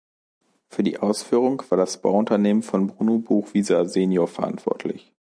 Für die Ausführung war das Bauunternehmen von Bruno Buchwieser senior verantwortlich.